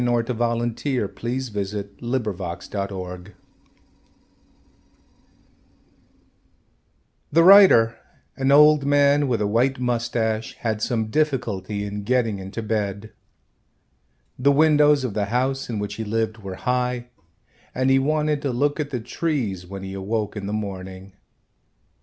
THE TALES AND THE PERSONS THE BOOK OF THE GROTESQUE The writer, an old man with a white mustache, had some difficulty in getting into bed. The windows of the house in which he lived were high and he wanted to look at the trees when he awoke in the morning.